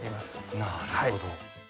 なるほど。